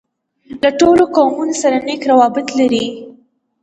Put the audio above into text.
له ټولو قومونوسره نېک راوبط لري.